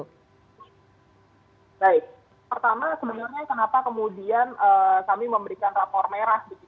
baik pertama sebenarnya kenapa kemudian kami memberikan rapor merah